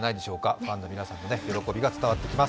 ファンの皆さんの喜びが伝わってきます。